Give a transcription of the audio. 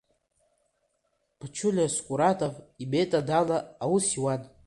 Ԥачулиа Скуратов иметод ала аус иуан.